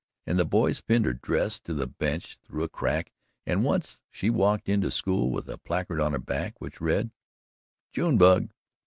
And the boys pinned her dress to the bench through a crack and once she walked into school with a placard on her back which read: "June Bug."